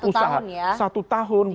karena sudah satu tahun ya